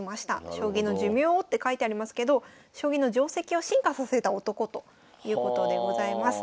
「将棋の寿命を」って書いてありますけど将棋の定跡を進化させた男ということでございます。